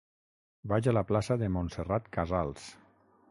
Vaig a la plaça de Montserrat Casals.